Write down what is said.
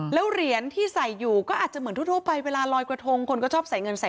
แล้วเหรียญที่ใส่อยู่ก็อาจจะเหมือนทั่วไปเวลาลอยกระทงคนก็ชอบใส่เงินใส่